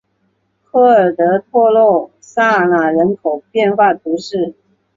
科尔德托洛萨纳人口变化图示